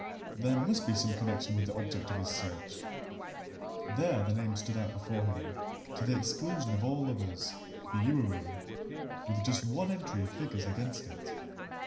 there must be some connection with the object of his search. There the name stood out before him, to the exclusion of all others Bewery with just one entry of figures against it.